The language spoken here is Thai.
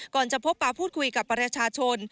ก่อนจะพบป่าพูดคุยกับประชาชน